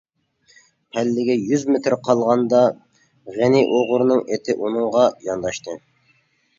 پەللىگە يۈز مېتىر قالغاندا غېنى ئوغرىنىڭ ئېتى ئۇنىڭغا يانداشتى.